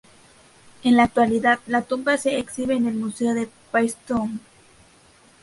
En la actualidad, la tumba se exhibe en el museo de Paestum.